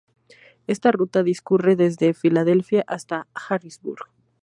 Esta ruta discurre desde Filadelfia hasta Harrisburg.